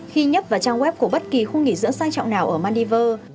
khi nhấp vào trang web của bất kỳ khu nghỉ dưỡng sang trọng nào ở maldives